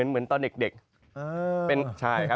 เหมือนตอนเด็ก